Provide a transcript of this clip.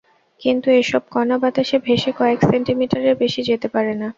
কিন্তু এসব কণা বাতাসে ভেসে কয়েক সেন্টিমিটারের বেশি যেতে পারে না।